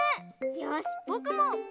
よしぼくも！